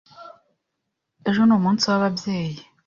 Ejo ni umunsi w'ababyeyi.